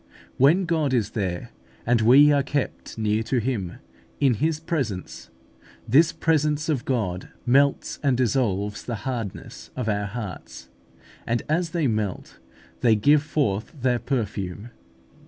When God is there, and we are kept near to Him, in His presence, this presence of God melts and dissolves the hardness of our hearts, and as they melt, they give forth their perfume.